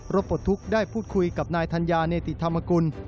ปลดทุกข์ได้พูดคุยกับนายธัญญาเนติธรรมกุล